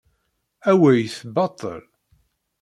Awey-t baṭel.